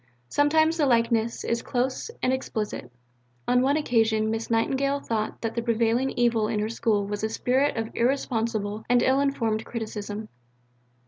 Sometimes the likeness is close and explicit. On one occasion Miss Nightingale thought that the prevailing evil in her School was a spirit of irresponsible and ill informed criticism.